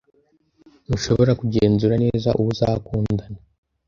Ntushobora kugenzura neza uwo uzakundana